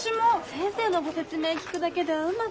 先生のご説明聞くだけではうまくいかないのよね。